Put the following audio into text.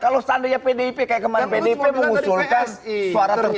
kalau seandainya pdip kayak kemarin pdip mengusulkan suara tertutup